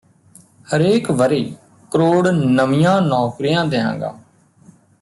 ਹਰੇਕ ਵਰ੍ਹੇ ਕਰੋੜ ਨਵੀਆਂ ਨੌਕਰੀਆਂ ਦਿਆਂਗਾ